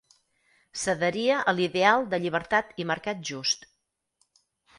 S'adheria a l'ideal de llibertat i mercat just.